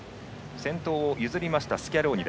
先頭を譲りましたスキャローニ。